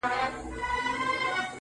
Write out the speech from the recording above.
o شناخت به کوو، کور ته به نه سره ځو!